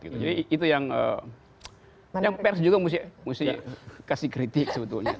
jadi itu yang pers juga mesti kasih kritik sebetulnya